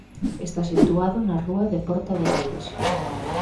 Está situado na rúa de Porta de Aires.